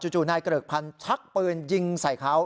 จู่นายเกริกพันธ์ชักปืนยิงใส่เขา